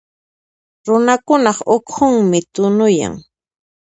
Runakunaq ukhunmi tunuyan.